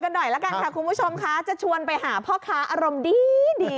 หน่อยละกันค่ะคุณผู้ชมค่ะจะชวนไปหาพ่อค้าอารมณ์ดีดี